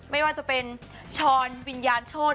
ไม่ว่าจะเป็นช้อนวิญญาณโชธ